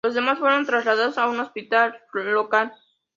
Los demás fueron trasladados a un hospital local.